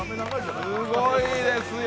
すごいですよ